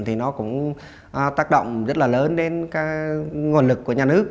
thì nó cũng tác động rất là lớn đến các nguồn lực của nhà nước